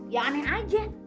ya aneh aja